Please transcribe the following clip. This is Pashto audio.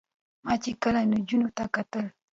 ما چې کله نجونو ته کتل